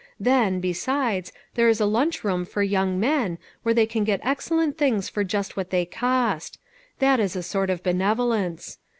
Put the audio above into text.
Then, be sides, there is a lunch room for young men, where they can get excellent things for just what they cost; that is a sort of benevolence.